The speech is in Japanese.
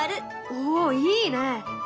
おおいいね。